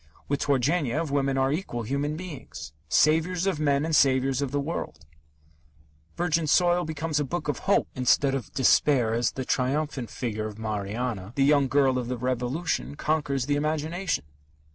With Turgenev, women are equal human beings saviours of men and saviours of the world. Virgin Soil becomes a book of hope instead of despair as the triumphant figure of Marianna, the young girl of the Revolution, conquers the imagination.